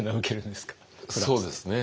そうですね